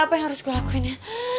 apa yang harus gue lakuin ya